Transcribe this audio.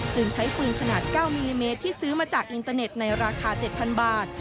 ใช้ปืนขนาด๙มิลลิเมตรที่ซื้อมาจากอินเตอร์เน็ตในราคา๗๐๐บาท